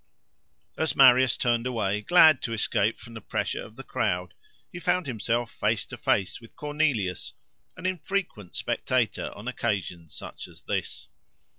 As Marius turned away, glad to escape from the pressure of the crowd, he found himself face to face with Cornelius, an infrequent spectator on occasions such as this.